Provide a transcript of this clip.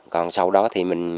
còn sau đó thì mình